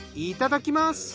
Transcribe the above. いただきます。